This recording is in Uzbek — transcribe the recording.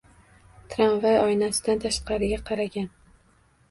Tramvay oynasidan tashqariga qaragan